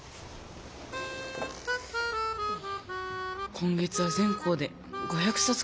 今月は全校で５００さつ